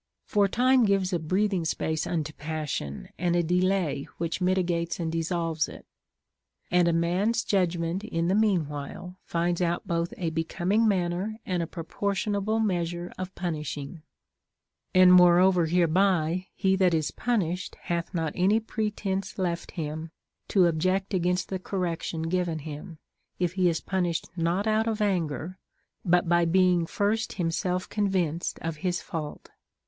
For time gives a CONCERNING THE CURE OF ANGER. 19 breathing space unto passion, and a delay which mitigates and dissolves it ; and a man's judgment in the mean while finds out both a becoming manner and a proportionable measure of punishing. And moreover hereby, he that is punished hath not any pretence left him to object against the correction given him, if he is punished not out of anger, but being first himself convinced of his fault.